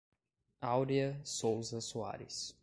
Aurea Souza Soares